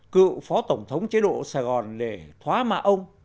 cựu phó tổng thống chế độ sài gòn để thoái mạ ông